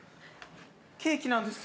ケーキなんです。